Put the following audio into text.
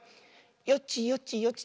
よちよちよち。